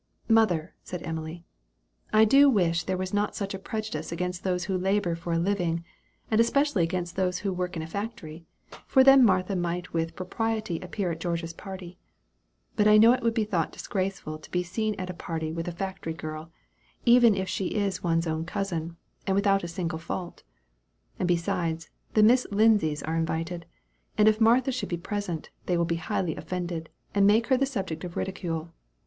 "Mother," said Emily, "I do wish there was not such a prejudice against those who labor for a living; and especially against those who work in a factory; for then Martha might with propriety appear at George's party; but I know it would be thought disgraceful to be seen at a party with a factory girl, even if she is one's own cousin, and without a single fault. And besides, the Miss Lindsays are invited, and if Martha should be present, they will be highly offended, and make her the subject of ridicule.